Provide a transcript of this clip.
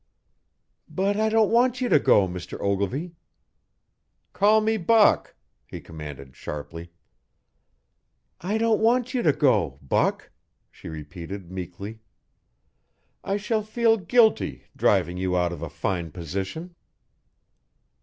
"But I don't want you to go, Mr. Ogilvy." "Call me Buck," he commanded sharply. "I don't want you to go, Buck," she repeated meekly. "I shall feel guilty, driving you out of a fine position."